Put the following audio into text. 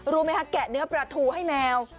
รู้ไหมคะแกะเนื้อปลาทูให้แมว